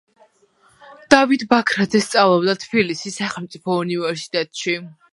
დავით ბაქრაძე სწავლობდა თბილისის სახელმწიფო უნივერსიტეტში.